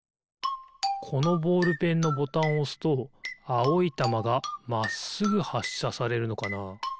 このボールペンのボタンをおすとあおいたまがまっすぐはっしゃされるのかな？